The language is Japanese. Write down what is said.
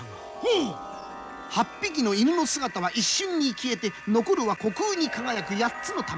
８匹の犬の姿は一瞬に消えて残るは虚空に輝く八つの珠。